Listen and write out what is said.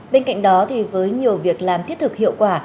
bên cạnh đó thì với nhiều việc làm thiết thực hiệu quả